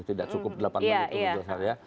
tidak cukup delapan menit untuk jelasin ya